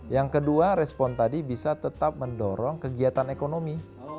yang kedua respon tadi bisa tetap mendorong kegiatan ekonomi